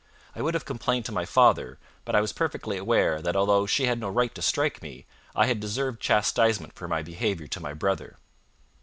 I would have complained to my father, but I was perfectly aware that, although she had no right to strike me, I had deserved chastisement for my behaviour to my brother.